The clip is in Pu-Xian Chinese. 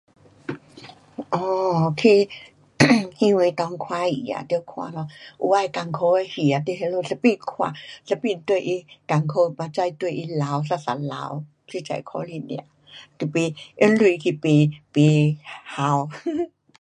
um 去 um 戏院里看戏啊，那也得看咯，有的困苦的戏啊，你那里一边看，一边跟他困苦，眼泪跟他溜，一直溜，实在可怜哪。都不，用钱去买，买哭。